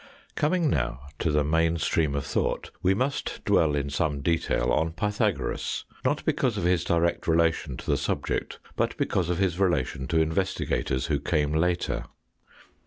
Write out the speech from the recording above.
Coming now to the main stream of thought we must dwell in some detail on Pythagoras, not because of his direct relation to the subject, but because of his relation to investigators who came later.